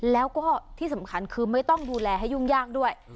แล้วก็ที่สำคัญคือไม่ต้องดูแลให้ยุ่งยากด้วย